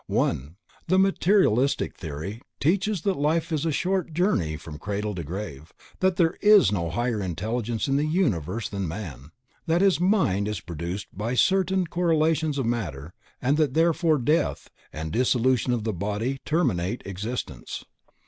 1) THE MATERIALISTIC THEORY _teaches that life is but a short journey from the cradle to the grave, that there is no higher intelligence in the universe than man; that his mind is produced by certain correlations of matter and that therefore death, and dissolution of the body terminate existence.